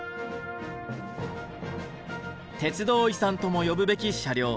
鉄道遺産とも呼ぶべき車両。